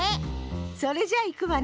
それじゃいくわね。